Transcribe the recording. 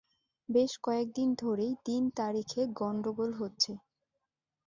বেশ কয়েক দিন ধরেই দিন-তারিখে গণ্ডগোল হচ্ছে।